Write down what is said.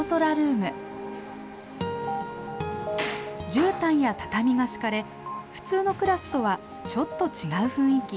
じゅうたんや畳が敷かれ普通のクラスとはちょっと違う雰囲気。